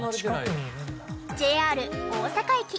ＪＲ大阪駅。